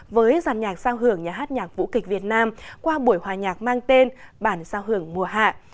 với giàn nhạc sao hưởng nhà hát nhạc vũ kịch việt nam qua buổi hòa nhạc mang tên bản sao hưởng mùa hạ